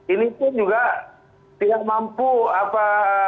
ini pun juga tidak mampu apa